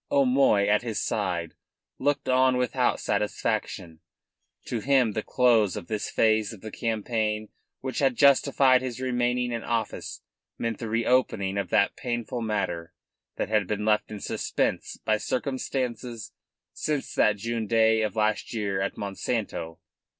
O'Moy, at his side, looked on without satisfaction. To him the close of this phase of the campaign which had justified his remaining in office meant the reopening of that painful matter that had been left in suspense by circumstances since that June day of last year at Monsanto.